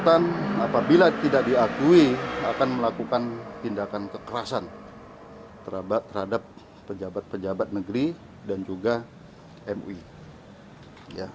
apabila tidak diakui akan melakukan tindakan kekerasan terhadap pejabat pejabat negeri dan juga mui